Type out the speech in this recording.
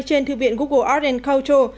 trên thư viện google art culture